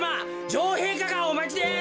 女王へいかがおまちです！